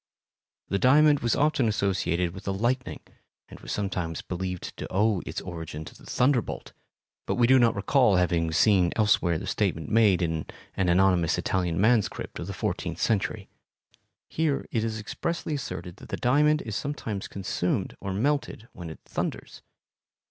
The diamond was often associated with the lightning and was sometimes believed to owe its origin to the thunderbolt, but we do not recall having seen elsewhere the statement made in an anonymous Italian manuscript of the fourteenth century. Here it is expressly asserted that the diamond is sometimes consumed or melted when it thunders.